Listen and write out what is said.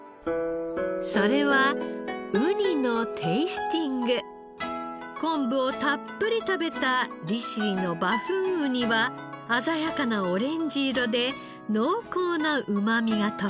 それは昆布をたっぷり食べた利尻のバフンウニは鮮やかなオレンジ色で濃厚なうまみが特徴。